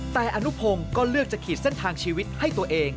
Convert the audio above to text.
แต่อนุพงศ์ก็เลือกจะขีดเส้นทางชีวิตให้ตัวเอง